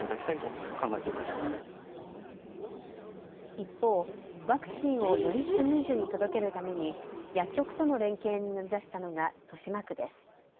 一方、ワクチンをよりスムーズに届けるために薬局との連携に乗り出したのが豊島区です。